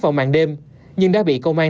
vào mạng đêm nhưng đã bị công an